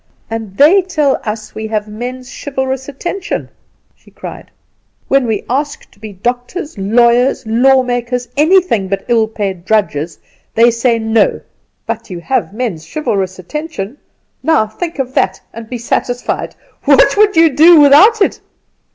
"And they tell us we have men's chivalrous attention!" she cried. "When we ask to be doctors, lawyers, law makers, anything but ill paid drudges, they say No; but you have men's chivalrous attention; now think of that and be satisfied! What would you do without it?"